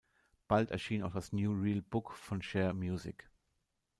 Bald erschien auch das "New Real Book" von Sher Music.